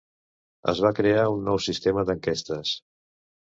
Es va crear un nou sistema d'enquestes.